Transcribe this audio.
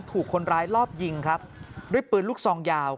ถูกคนร้ายรอบยิงครับด้วยปืนลูกซองยาว